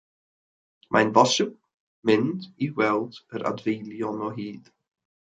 Mae'n bosib mynd i weld yr adfeilion o hyd.